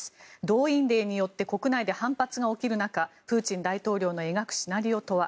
動員令によって国内で反発が起きる中プーチン大統領の描くシナリオとは。